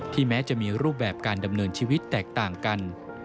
แม้จะมีรูปแบบการดำเนินชีวิตแตกต่างกัน